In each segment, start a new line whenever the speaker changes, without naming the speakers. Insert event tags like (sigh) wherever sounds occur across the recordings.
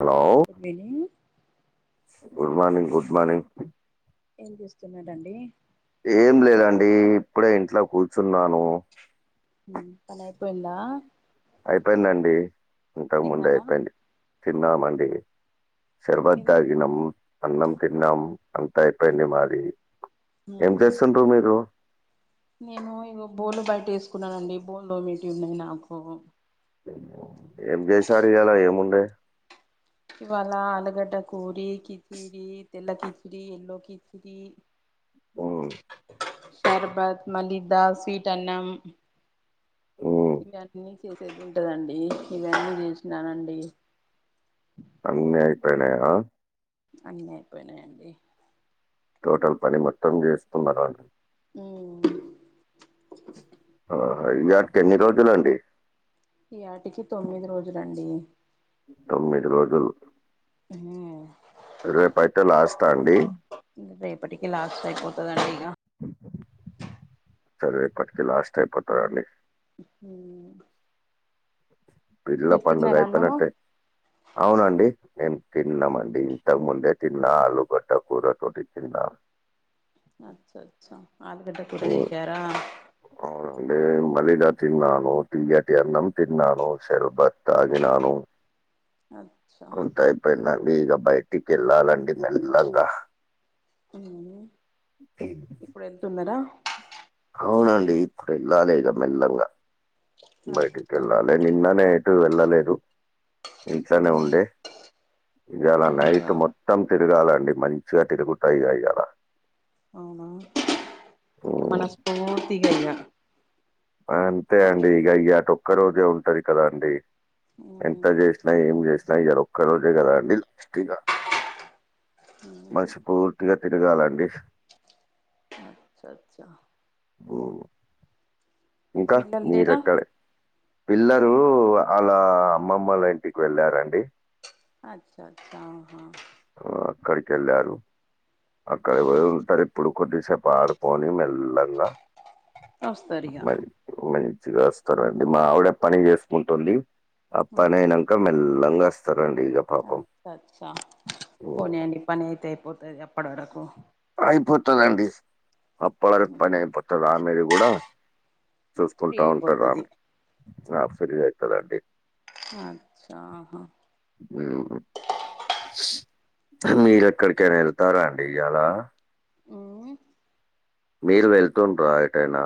Hello
good evening
good morning good morning
ఏం చేస్తున్నారండి?
ఏం లేదండి ఇప్పుడే ఇంట్లో కూర్చున్నాను.
పనయిపోయిందా?
అయిపోయిందండి ఇంతకుముందే
తిన్నారా
అయిపోయింది తిన్నామండి. షర్బత్
ఏం
తాగినాం, అన్నం తిన్నాం. అంతా అయిపోయింది మాది. ఏం
అవునా
చేస్తున్నారు మీరు?
నేను ఇగో బోలు బయట వేసుకున్నానండి బోల్ దోమేటివి ఉన్నాయి నాకు.
ఏం చేసారు ఈయలా ఏముండాయి.
ఇవాళ ఆలుగడ్డ కూర, కిచిడి తెల్ల కిచిడి ఎల్లో కిచిడి
మ్
షర్బత్ మళ్ళీ స్వీట్ అన్నం.
ఉమ్
చేసేదింటదండి ఇవన్నీ చేసినాను అండి
అన్నీ అయి పోయినాయా?
అన్నీ అయిపోయినాయండి.
టోటల్ పని మొత్తం చేస్తున్నర
ఉమ్
ఇయటికి ఎన్ని రోజులండి
ఈ ఆటికి తొమ్మిది రోజులండి
తొమ్మిది రోజులు రేపైతే అయితే ల
రేపటికి లాస్ట్ అయిపోతదండి ఇక
సరే ఇప్పటికి లాస్ట్ అయిపోతాడండి
అ
పీర్ల పండుగ
అన్నము
అయిపోయినకే అవునండి నేం తిన్నామండి ఇంతక ముందే తిన్నా ఆలుగడ్డ కూర తోటి తిన్నా
అచ్చ అచ్చా ఆలుగడ్డ కూర
హ్మ్.
చేసారా
మలిగా తిన్నాను తియ్యటి అన్నం తిన్నాను షర్బత్ తాగినాను
అచ్చా
అంతా అయిపోయిందండి. ఇగ బయటికి వెళ్ళాలండి మెల్లంగ
ఉమ్ ఇప్పుడు ఎళ్తున్నారా
అవునండి ఇప్పుడు వెళ్ళాలి ఇగ మెల్లంగా బయటికి
అచ్చా
వెళ్ళాలి నిన్ననే ఎటు వెళ్ళలేదు ఇంట్లోనే ఉండే ఇయల
అయ్యో
నైట్ మొత్తం తిరగాల మంచిగా తిరుగుత ఇగ ఇగ అలా
అవునా
హ్మ్.
మనస్పూర్తిగా ఇగ
అంతే అండి ఇక అయ్యాట ఒక్క రోజే ఉంటది కదా అండి ఎంత చేసినా ఏమి చేసినా ఇయల ఒక రోజే కదా అండి పుష్టిగా (inaudible) మనస్పూర్తిగా తిరిగలండి
అచ్చ అచ్చా మీ
ఇంకా
పిల్లలు లేరా
మీరెక్కడే పిల్ల లు వాళ్ళ అమ్మమ్మల ఇంటికి వెళ్ళారండి
అచ్చా అచ్చా ఆహా
ఆ, అక్కడికి వెళ్ళారు అక్కడ ఎవరెవరు ఉంటారు ఇప్పుడు కొద్దిసేపు ఆడుకొని మెల్ల లంగా
సరే (inaudible)
మంచిగా వస్తారండి మా ఆవిడ పని చేసుకుంటుంది ఆ పని అయినాక మెల్ల లంగ వస్తారు
అచ్చ అచ్చా పోనీ అండి పని అయితే అయిపోతుంది అప్పటి వరకు
అయిపోతదండి అప్పటివరకు పని అయిపోతది ఆమెది కూడా
ఫ్రీ
చూసుకుంటా ఉంటారు
అయిపోతది
నాకు సరిగా అవుతుందండి (inaudible)
అచ్చాహా
ఉమ్ మీరెక్కడికైనా వెళ్తారా అండి ఇయల
ఉహు
మీరు వెళ్తుండ్రా ఏటైనా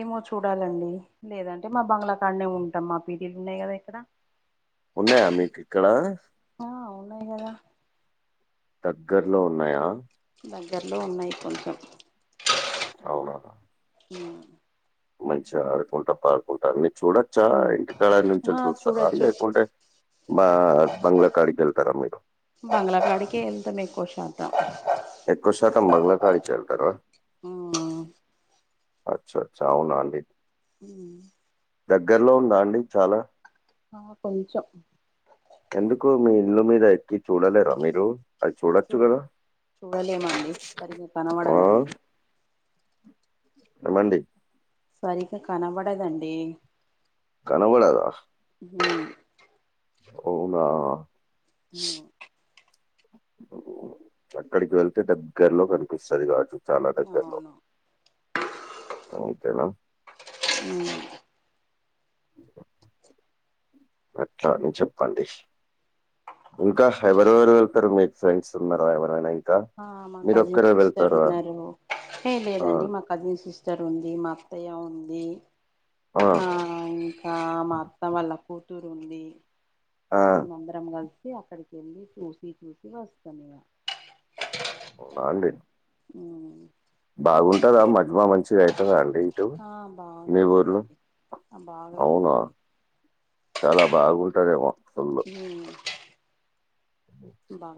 ఏమో చూడాలండి లేదంటే మా బంగ్లాకాడనే ఉంటాం మా (inaudible) ఉన్నాయి కదా ఇక్కడ
ఉన్నాయా మీకు ఇక్కడ
హా ఉన్నాయి కదా
దగ్గర్లో ఉన్నాయా
దగ్గరలో ఉన్నాయి కొంచెం
అవునా
అ
మంచిగా ఆడుకుంటా పాడుకుంటా అన్నీ చూడ వచ్చార ఇంటి కాడ నుంచే
ఆ
చూస్తుర్ర
చూడొచ్చు
లేకుంటే మా బంగ్లాకాడికివేలతర మీరు
ఆ
ఎక్కువ శాతం బంగ్లా కాడికే వెళ్తారా
ఆ
అచ్చ అచ్చ అవున అండి
హ
దగ్గరలో ఉందా అండి చాలా
ఆ కొంచం
ఎందుకు మీ ఇల్లు మీద ఎక్కి చూడలేరా మీరు అది
చూ
చుడచ్చు కదా
చూడలేమండి సరిగ్గా
ఆ
కనబడదండి
ఏమండి
సరిగా కనబడదండి
కనబడద
హ
అవునా
అ
అక్కడికి వెళ్తే దగ్గరలో కనిపిస్తది కా చాలా దగ్గర్లో
అవును
అంతేనా
ఉమ్ (inaudible)
ఎట్లా అని చెప్పండి ఇంకా ఎవరెవరు వెళ్తారు మీకు ఫ్రెండ్స్ ఉన్నార ఎవరైనా ఇంకా
ఆ మా
మీరు
కజిన్
ఒక్కరే
సిస్టర్
వెళ్తారా
ఉన్నారు ఏ
ఆ
లేదండి మా కజిన్ సిస్టర్ ఉంది మా అత్తయ్య ఉంది ఆ ఇంకా మా అత్త వాళ్ళ ఉంది
ఆ
మేము అందరం కలి అక్కడికి వెళ్ళి చూసి చూసి వస్తాను ఇగ
ఉందా అండి
ఉ
బాగుంటదా మజ్మా మంచిగా అవుతుందా అండి ఇటు
ఆ బాగా
మీ ఊర్లో
అవుతదండి ఆ బాగా
అవునా
అవుతదండి
చాలా బాగుంటదేమో ఫుల్
హ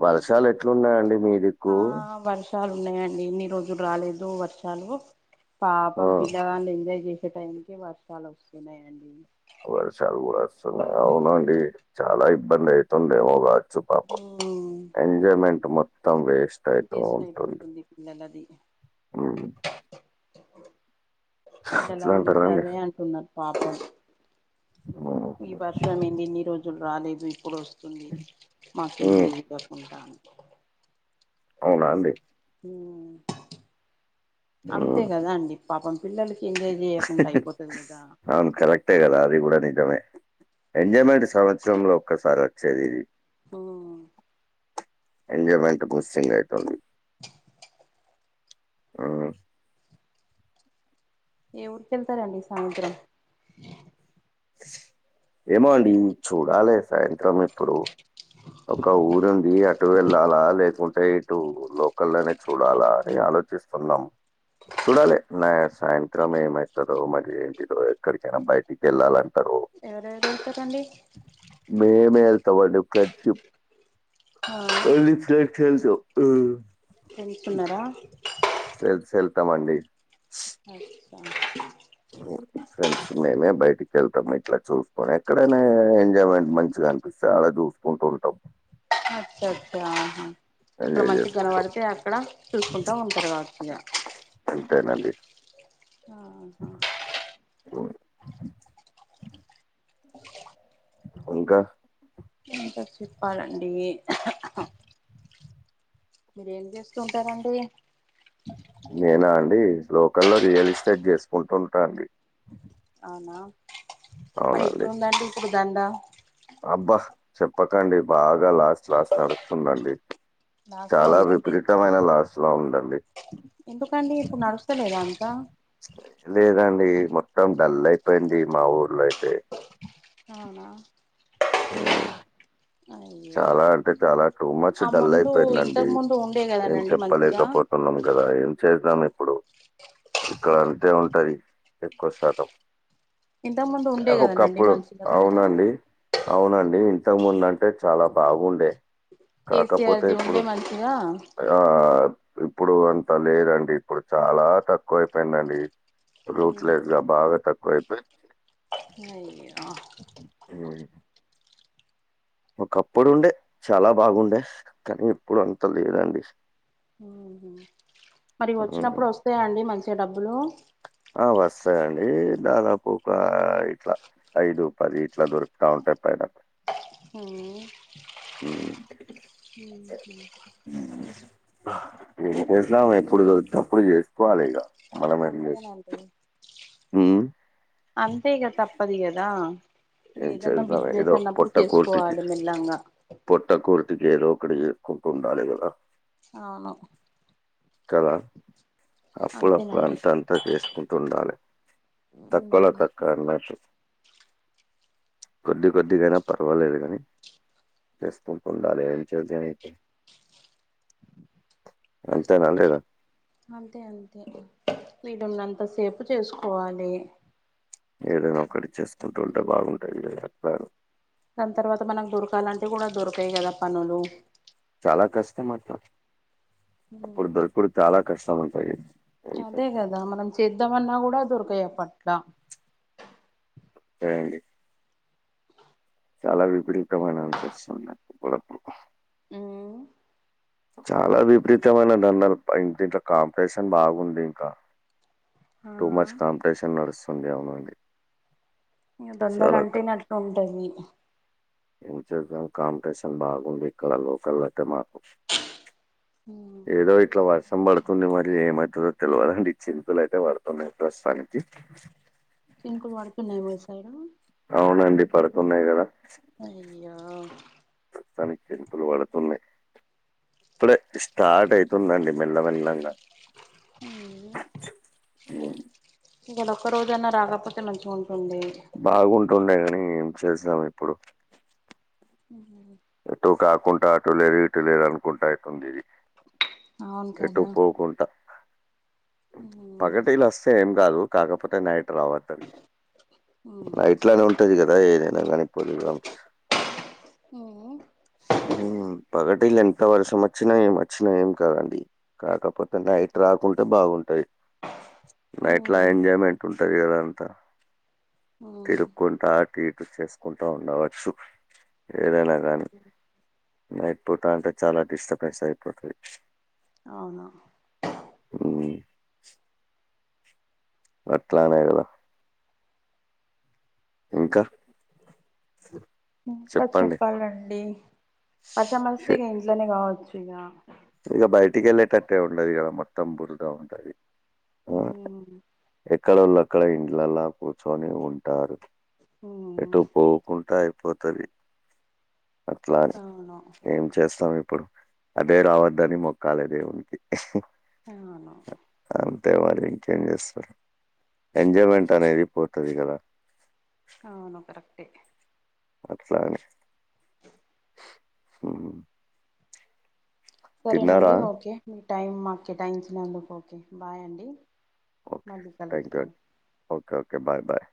వర్షాలు
అయితది
ఎట్లున్నాయండి మీదిక్కు
ఆ వర్షాలు ఉన్నాయండి ఇన్ని రోజులు రాలేదు వర్షాలు
ఆ
పాపం పిల్లగాలు ఎంజాయ్ చేసి ఇ టైంకి వర్షాలు వస్తున్నాయండి
వర్షాలు కూడా వస్తున్నాయి అవునండి చాలా ఇబ్బంది అయితుందేమోగా పాపం ఎంజాయ్మెంట్ మొత్తం వేస్ట్ వేస్ట్ అయితు ఉంటది
అయిపోతుంది పిల్లలది
ఉమ్
పిల్లలు
ఎట్లా అంటారండి
అదే అంటున్నారు పాపం
ఉమ్
ఈ వర్షం ఏందిన్ని రోజులు రాలేదు ఇప్పుడు వస్తుంది మాకెం
ఉమ్
ఎంజాయ్ లేకుంట
అవునా అండి
ఊ అంతే
ఉమ్
కదా అండి పాపం పిల్లలకి ఎంజాయ్ చేయకుండా అయిపోతది కదా
అవును కరెక్టే కదా అది కూడనే నిజమే ఎంజాయ్మెంట్ సంవత్సరంలో ఒక్కసారి వచ్చేది
ఊ
ఎంజాయ్మెంట్ ముసుండెటోన్ని ఆ
ఏ ఊరికేళ్తారండి సాయంత్రం
ఏమోండి చూడాలి సాయంత్రం ఇప్పుడు ఒక ఊరుంది అటు వెళ్ళాలా లేకుంటే ఇటు లోకల్ లోనే చూడాలా అని ఆలోచిస్తున్నాం చూడాలె నా సాయంత్రం ఏమైతదో మరి ఏంటిదో ఎక్కడికైనా బయటికి వెళ్ళాల
ఎవరెవర్యెల్తరండి
మేమే ఎళ్తమండి ఫ్రెండ్షిప్
ఆ
మళ్ళీ ఫె వెళ్తు ఉ
ఫ్రెండ్స్ ఉన్నరా
తమండి
అచ్చ
ఫ్రెండ్స్ మేమే బయటికి వెళ్తాము ఇట్లా చూసుకొని ఎక్కడైనే ఎంజాయ్మెంట్ మంచిగా అనిపిస్తది అదు స్ కుంటు ఉంటం
అచ్చ అచ్చ అహా ఎక్కడ
ఎంజాయ్
మంచి
చేసుకుంటాం
గనపడితే అక్కడ చూసుకుంటా ఉంటారు కావచ్చు ఇగా
టె నండి
ఆహా
ఇంకా
ఇంకా చెప్పాలండి ఎ మీరేం చేస్తూ ఉంటారండి
లోకల్ లో రియల్ ఎస్టేట్ చేసుకుంటుంటాండి
అవునా మరి
అవునండి
ఎట్లుందండి ఇప్పుడు దండ
అబ్బా చెప్పకండి బాగా లాస్ట్ లాస్ట్ నడుతుందండి
లాస్ట్ లో
చాలా
ఉందండి
విపరీతమైన లాస్ లో ఉందండి
ఎందుకండి ఇప్పుడు నడుస్తలేదా అంత
లేదండి మొత్తం డల్ అయిపోయింది మా ఊర్లో అయితే
అవునా
ఉ
అయ్యో
చాలా అంటే చాలా టూ మచ్
ఆ
డల్
ముందు
అయిపోయిందండి
ఇంతకు ముందు ఉండే
ఏం
కదనండి మంచిగా
చెప్పలేకపోత న్నాం కదా ఏం చెస్దాం ఇక్కడ అంతే ఉంటది ఎక్కువ శాతం
ఇంతకు ముందు ఉండే కదనండి
ఒకప్పుడు
మంచిగా దండ
అవునండి అవునండి ఇంతకు ముందు అంటే చాలా బాగుండే కాకపోతే
కేసీఆర్ది
ఇప్పుడు
ఉండే మంచిగా
ఆ ఇప్పుడు అంత లేదండి ఇప్పుడు చాలా తక్కువ ఐపోయిందండి
ఉ
రూట్లెస్ గా బాగా తక్కువైపోయ్
అయ్యో
హ్మ్. ఒకప్పుడుండే చాలా బాగుండే కానీ ఇప్పుడు అంత లేదండి
మరి
హ్మ్.
వచ్చినప్పుడు వస్తాయా అండి మంచిగా డబ్బులు
ఆ వస్తాయి అండి దాదాపు ఒక ఇట్ల ఐదు పది ఇట్ల దొరుకుతా ఉంటంది చెప్పైనప్ప
హ
ఏం చేసినాం ఎప్పుడు వచినప్పుడు చేసుకోవాలి ఇక
అంతేనండి
ఆమ్
అంతేగా తప్పదికదా
ఏ చెతారే ఏదో పొట్ట కూటికి
చేసుకోవాలి మెల్లంగా
పొట్ట కూటికి ఇట్కేదు ఒకడ చేసుకుంటూ ఉండాలి కదా
అవును
కదా అప్పుడప్పుడు
అంతేనండి
అంతా అంతా చేసుకుంటూ ఉండాలి తక్కువలో తక్కువ అన్నట్టు కొద్ది కొద్దిగైనా పర్వాలేదు కానీ చేసుకుంటు ఉండాలే వెంచజతే అంతేనా లేదా
అంతే అంతే వీలు ఉన్నంతసేపు చేసుకోవాలి
ఏదైనా ఒక్కటి చేసుకుంటూ ఉంటే బాగుంటుంది లే అక్క
దాని తర్వాత మనకు దొరకాలంటే కూడా దొరకాయి కదా పనులు
చాలా అప్పుడు దొరుకుడు చాలా కష్టం అంటాయి
అదే కదా మనం చేద్దాంమన్నా కూడా దొరికాయే పట్ల
సరే అండి చాలా విపరీతమైన అంతస్తున్నారు పోలం
ఆమ్
చాలా విపరీతమైన ధరణలు ఇ ఇంకా కాంపిటీషన్ బాగుంది ఇంకా
ఆ
టూ మచ్ కాంపిటీషన్ నడుస్తుంది అవునంది
దొందలు అంటేనే అట్టులు ఉంటాది
ఏం చేద్దాం కాంపిటేషన్ బాగుంది ఇక్కడ లోకల్ అట్టే మాకు ఏదో ఇట్లా వర్షం పడుతుంది మరి ఏమవుతుందో తెలివదండి ఈ చినుకులు అయితే పడుతున్నాయి ప్రస్తుతానికి చె
చినుకులు పడుతున్నాయ మీ సైడు
అవునండి పడుతున్నాయి కదా
య
ప్రస్తుతానికి చెనుకులు పడుతున్నాయి ఇప్పుడే స్టార్ట్ అయితుందండి మెల్ల మెల్లంగా
ఇడ ఒక్క రోజనా రాకపోతే మంచిగా ఉంటా
బాగుంటుండే కాని ఏం చేసినాం ఇప్పుడు
ఉమ్
ఎటు కాకుండా అటు లేరు ఇటు లేరు అనుకుంటా అటుంది ఇది
అవును
ఎటు
కదా
పోకుంటా పగటీల వస్తే ఏం కాదు కాకపోతే నైట్ రావద్దని
ఉ
ఇట్లానే ఉంటది కదా ఏదైనా కానీ పోలి గమ్స్
ఉ
ఉమ్ పగటిల ఇట్టా వర్షమొచ్చినా ఏం వచ్చినా ఏం కాదండి కాకపోతే నైట్ రాకుంటే బాగుంటాయ్ నైట్లా
ఉ
ఎంజాయ్మెంట్ ఉంటది గదా అంతా
ఉమ్
తిరుక్కుంటా అటు ఇటు చేసుకుంటా ఉండవచ్చు ఏదైనా గానీ నైట్ పూటా అంటే చాలా డిస్టర్బెన్స్ అయిపోతది
అవునా
ఊ అట్లానే గదా ఇంకా
ఇంకా
చెప్పండి
చెప్పాలండి వర్షం మస్తే ఇగ ఇంట్లోనే గావచ్చు ఇగ
ఇగ బయిటికెళ్ళేటట్టే ఉండదు గదా మొత్తం బురుదా ఉంటాది
హూ
ఎక్కడోళ్ళక్కడ ఇండ్లల్ల కూర్చొని ఉంటారు
ఉమ్
ఎటూ పోకుంటాయ్ పోతది అట్లా అని
అవును
ఏం చేస్తాం ఇప్పుడు అదే రావద్ ద్దని మొక్కాలే దేవునికి
అవును
అంతే మరి ఇంకేం జేస్తార్ ఎంజాయ్మెంట్ అనేది పోతాది గదా
కావును కరెక్టే
అట్లా అని హూ
సరేనండి ఓకే మీ టైం మాక్ కేటాయించినందుకు ఓకే బాయ్ అండి మళ్ళీ కలుస్దాం
ఒకే ఒకే బాయ్ బాయ్